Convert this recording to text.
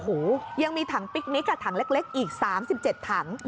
โอ้โหยังมีถังปิ๊กนิกถังเล็กอีก๓๗ถัง